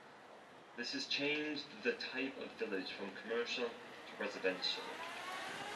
This has changed the type of village from commercial to residential.